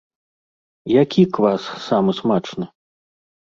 Які квас самы смачны?